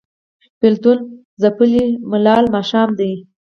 بیلتون ځپلی ملال ماښام دی